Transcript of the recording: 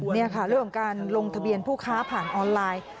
นี่ค่ะเรื่องของการลงทะเบียนผู้ค้าผ่านออนไลน์